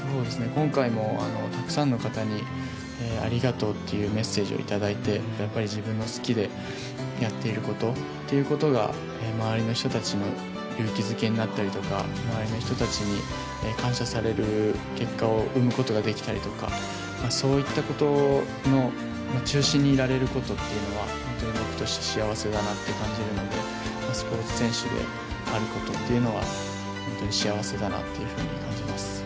今回もたくさんの方にありがとうというメッセージをいただいてやっぱり自分が好きでやっていることが周りの人たちの勇気づけになったりとか周りの人たちに感謝される結果を生むことができたりとか、そういったことの中心にいられることっていうのは本当に幸せだなと感じるのでスポーツ選手であることは本当に幸せだなというふうに感じます。